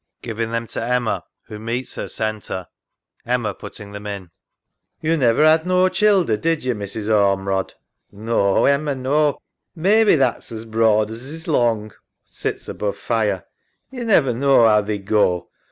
[Giving them to Emma, who meets her center. EMMA (putting them in). Yo never 'ad no childer, did yo, Mrs. Ormerod? SARAH. No, Emma, no — may be that's as broad as 's long. (Sits above fire) Yo never knaw 'ow they go.